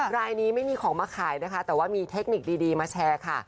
รายนี้ไม่มีของมาขายนะคะแต่ว่ามีเทคนิคดีมาแชร์ค่ะ